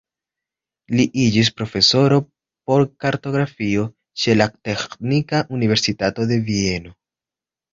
Li iĝis profesoro por kartografio ĉe la Teĥnika Universitato de Vieno.